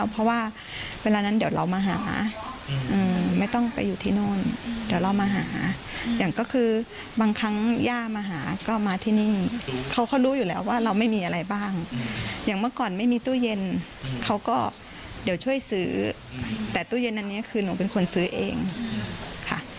แต่ตู้เย็นอันนี้คือหนูเป็นคนซื้อเองค่ะ